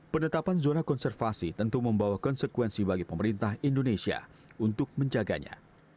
penetapan zona konservasi tentu membawa konsekuensi bagi pemerintah indonesia untuk menjaganya